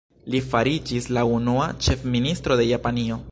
Li fariĝis la unua Ĉefministro de Japanio.